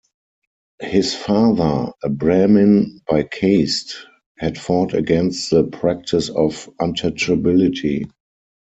His father, a Brahmin by caste, had fought against the practice of untouchability.